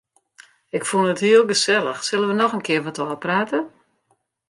Ik fûn it heel gesellich, sille wy noch in kear wat ôfprate?